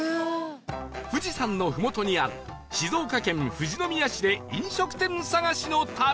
富士山のふもとにある静岡県富士宮市で飲食店探しの旅